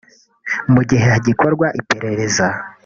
mu gihe hagikorwa iperereza